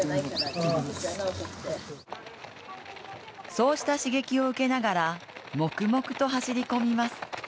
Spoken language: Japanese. そうした刺激を受けながら黙々と走り込みます。